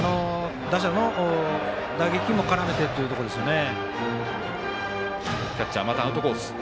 打者の打撃も絡めてというところですね。